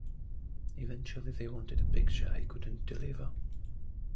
Eventually, they wanted a picture I couldn't deliver.